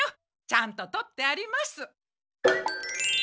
ちゃんと取ってあります。